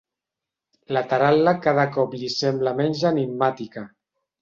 La taral·la cada cop li sembla menys enigmàtica.